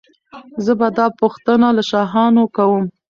زه به دا پوښتنه له شاهانو کوم.